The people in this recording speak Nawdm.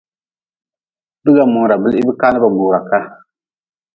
Biga mora blihbka na ba gbura ka.